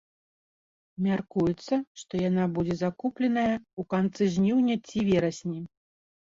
Мяркуецца, што яна будзе закупленая ў канцы жніўня ці верасні.